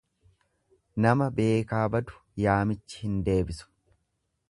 Nama beekaa badu yaamichi hin deebisu.